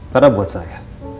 karena buat saya